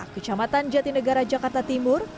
kecamatan jatinegara jakarta timur